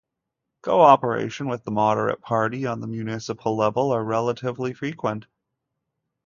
Co-operation with the Moderate Party on the municipal level are relatively frequent.